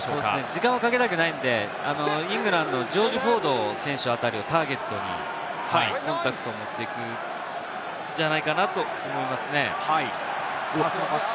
時間をかけたくないんで、イングランド、ジョージ・フォード選手あたりをターゲットにコンタクトを持っていくんじゃないかなと思いますね。